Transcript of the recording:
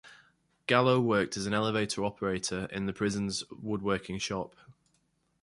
Gallo worked as an elevator operator in the prison's woodworking shop.